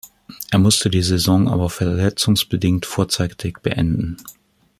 Er musste die Saison aber verletzungsbedingt vorzeitig beenden.